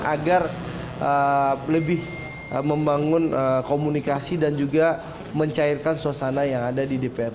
agar lebih membangun komunikasi dan juga mencairkan suasana yang ada di dpr